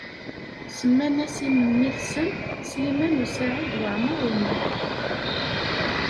Semman-as i memmi-tsen Sliman U Saɛid Waɛmaṛ U Muḥ.